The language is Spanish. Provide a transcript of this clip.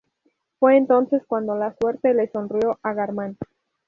Fue entonces cuando la suerte le sonrió a Garman.